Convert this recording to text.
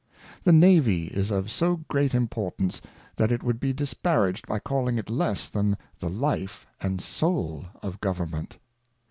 The Navy is of so great Importance, that it would be disparaged by calling it less than the Life and Soul of Government.